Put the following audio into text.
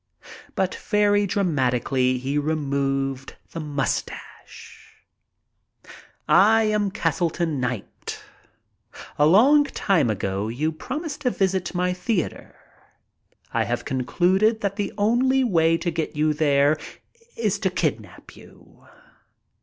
But very dramatically he removed the mustache. "I am Castleton Knight. A long time ago you promised me to visit my theater. I have concluded that the only way to get you there is to kidnap you.